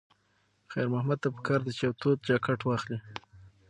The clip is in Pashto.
خیر محمد ته پکار ده چې یوه توده جاکټ واخلي.